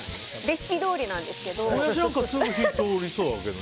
レシピどおりなんですけど。